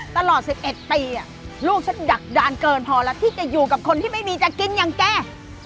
ตลอด๑๑ปีลูกฉันดักดานเกินพอแล้วที่จะอยู่กับคนที่ไม่มีจะกินอย่างแก